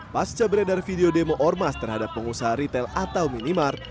pas cabredar video demo ormas terhadap pengusaha ritel atau minimarket